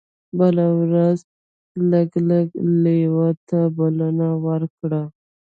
بله ورځ لګلګ لیوه ته بلنه ورکړه.